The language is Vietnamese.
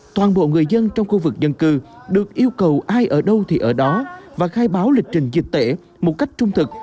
toàn bộ người dân trong khu vực dân cư được yêu cầu ai ở đâu thì ở đó và khai báo lịch trình dịch tễ một cách trung thực